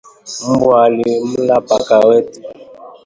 Mbwa alimla paka wetu